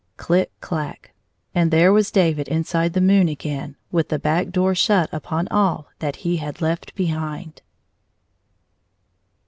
Chck clack! And there was David inside the moon again, with the back door shut upon all that he had left behind.